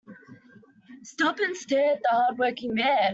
Stop and stare at the hard working man.